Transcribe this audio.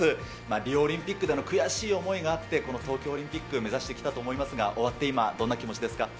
リオオリンピックでの悔しい思いがあって、この東京オリンピックを目指してきたと思いますが、終わって今、どんな気持ちですか。